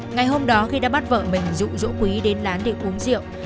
ngày hôm đó khi đã bắt vợ mình dụ dỗ quý đến lán để uống rượu